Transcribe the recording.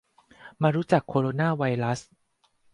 มารู้จักโคโรนาไวรัส